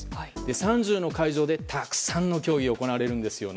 ３０の会場でたくさんの競技が行われるんですよね。